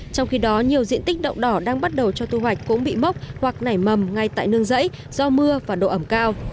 trong khi đó nhiều diện tích đậu đỏ đang bắt đầu cho thu hoạch cũng bị mốc hoặc nảy mầm ngay tại nương rẫy do mưa và độ ẩm cao